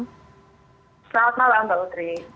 selamat malam mbak putri